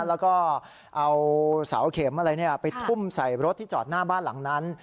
แล้วก็เอาเสาเข็มอะไรไปทุ่มใส่รถที่จอดหน้าบ้านหลังนั้น